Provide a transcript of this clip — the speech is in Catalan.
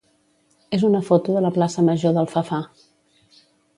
és una foto de la plaça major d'Alfafar.